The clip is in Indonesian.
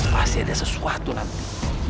pasti ada sesuatu nanti